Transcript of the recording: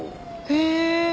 へえ。